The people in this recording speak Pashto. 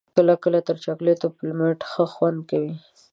کله کله تر چاکلېټو پلمېټ ښه خوند کوي.